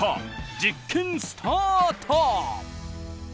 実験スタート！